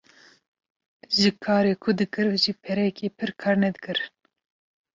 Ji karê ku dikir jî perekî pir kar nedikir